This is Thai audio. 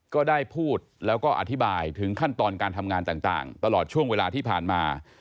ก็ได้พูดแล้วก็อธิบายถึงขั้นตอนการทำงานต่างตลอดช่วงเวลาที่ผ่านมา